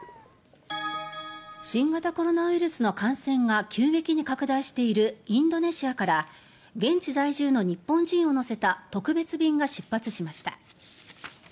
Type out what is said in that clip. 新型コロナウイルスの感染が急激に拡大しているインドネシアから現地在住の日本人を乗せた特別便が出発しました。